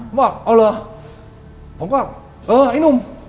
ผมบอกเอาเหรอผมบอกเออไอ้นุ่ม